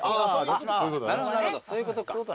なるほどなるほどそういうことか。